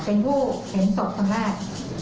เป็นผู้เห็นศพครั้งแรก